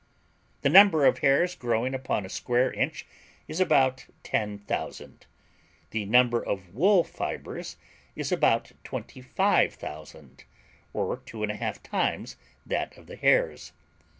The number of hairs growing upon a square inch is about ten thousand; the number of wool fibers is about twenty five thousand, or two and a half times that of the hairs.